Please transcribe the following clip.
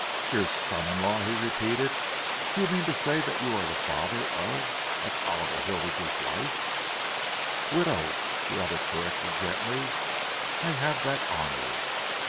"Your son in law?" he repeated. "Do you mean to say that you are the father of of Oliver Hilditch's wife?" "Widow," the other corrected gently. "I have that honour.